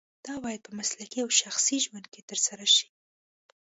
دا باید په مسلکي او شخصي ژوند کې ترسره شي.